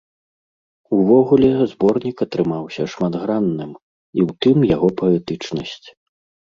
Увогуле, зборнік атрымаўся шматгранным, і ў тым яго паэтычнасць.